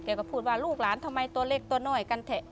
ก็พูดว่าลูกหลานทำไมตัวเล็กตัวน้อยกันเถอะ